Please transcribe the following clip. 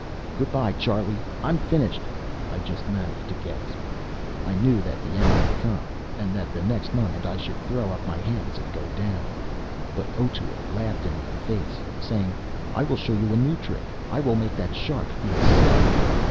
"Good by, Charley! I'm finished!" I just managed to gasp. I knew that the end had come, and that the next moment I should throw up my hands and go down. But Otoo laughed in my face, saying: "I will show you a new trick. I will make that shark feel sick!"